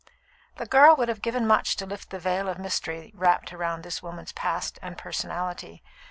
The girl would have given much to lift the veil of mystery wrapped about this woman's past and personality.